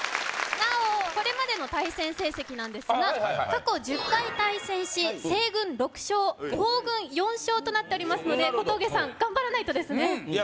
なおこれまでの対戦成績なんですが過去１０回対戦しとなっておりますので小峠さん頑張らないとですねいや